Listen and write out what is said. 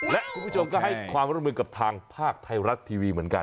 และคุณผู้ชมก็ให้ความร่วมมือกับทางภาคไทยรัฐทีวีเหมือนกัน